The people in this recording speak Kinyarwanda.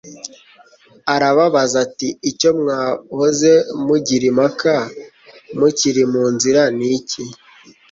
arababaza ati: «Icyo mwahoze mugira impaka mukiri mu nzira ni iki ?»